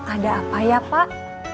ada apa ya pak